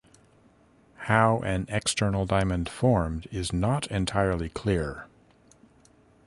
How an external diamond formed is not entirely clear.